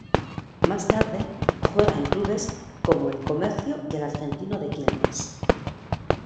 Más tarde juega en clubes como el Comercio y el Argentino de Quilmes.